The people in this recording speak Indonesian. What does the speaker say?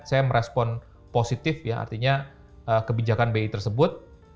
saya merespon positif ya artinya kebijakan bi tersebut